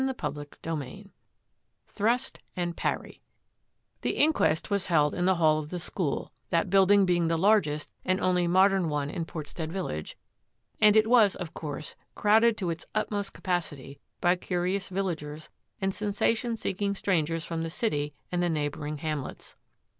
CHAPTER XIX THRUST AND PARRY The inquest was held in the hall of the school, that building being the largest and only modem one in Portstead village, and it was, of course, crowded to its utmost capacity by curious vil lagers and sensation seeking strangers from the city and the neighbouring hamlets.